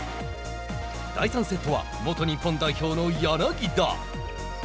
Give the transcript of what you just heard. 第３セットは、元日本代表の柳田。